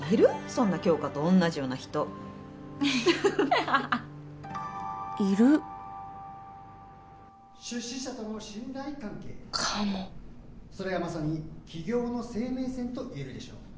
そんな杏花と同じような人いる出資者との信頼関係かもそれはまさに起業の生命線と言えるでしょう